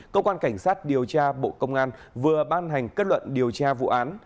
cơ quan cảnh sát điều tra bộ công an vừa ban hành kết luận điều tra vụ án